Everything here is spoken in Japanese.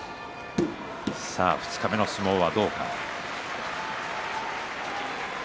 二日目の相撲はどうか。